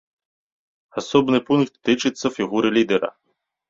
Асобны пункт тычыцца фігуры лідара.